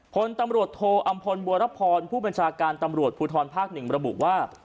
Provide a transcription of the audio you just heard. พลตำรวจโทอำพลบัวรพรผู้บัญชาการตำรวจภูทรภาค๑ระบุว่า